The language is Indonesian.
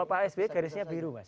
pak sby garisnya biru mas